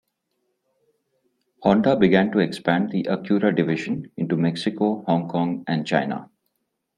Honda began to expand the Acura division into Mexico, Hong Kong, and China.